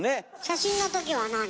写真の時は何？